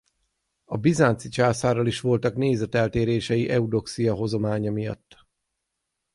A bizánci császárral is voltak nézeteltérései Eudoxia hozománya miatt.